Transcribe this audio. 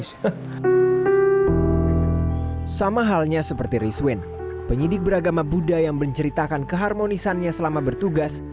sama halnya seperti rizwin penyidik beragama buddha yang menceritakan keharmonisannya selama bertugas